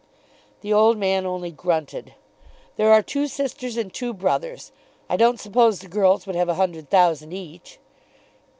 The old man only grunted. "There are two sisters and two brothers. I don't suppose the girls would have a hundred thousand each."